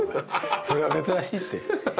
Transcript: それは珍しいって。